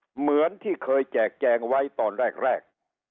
เหมือนที่เคยแจกแจงไว้ตอนแรก